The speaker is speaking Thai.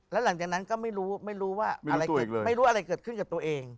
แล้วหลังจากนั้นก็ไม่รู้ไม่รู้ว่าอะไรเกิดไม่รู้อะไรเกิดขึ้นกับตัวเอง